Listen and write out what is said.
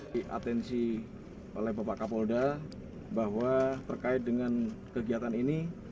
dikirakan oleh bapak kapolda bahwa terkait dengan kegiatan ini